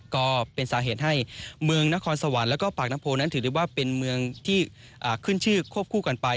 ก็เป็นสาเหตุให้เมืองนครสวรรค์แล้วก็ปากน้ำโพนั้นถือได้ว่าเป็นเมืองที่ขึ้นชื่อควบคู่กันไป